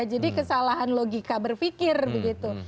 jadi kesalahan logika berpikir begitu